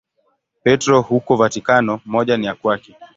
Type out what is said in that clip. Petro huko Vatikano, moja ni ya kwake.